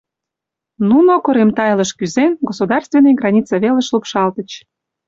Нуно, корем тайылыш кӱзен, государственный граница велыш лупшалтыч.